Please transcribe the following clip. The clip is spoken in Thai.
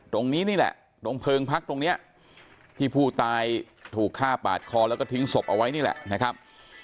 ตรงนี้นี่แหละตรงเพลิงพักตรงนี้ที่ผู้ตายถูกฆ่าปาดคอแล้วก็ทิ้งศพเอาไว้นี่แหละนะครับ